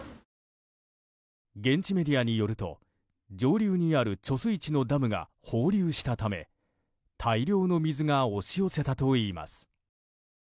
現地メディアによると上流にある貯水池のダムが放流したため大量の水が押し寄せたといいます。